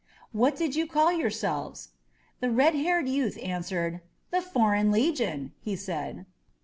What did you call yourselves?" The red haired youth answered, The Foreign Le gion!" he said.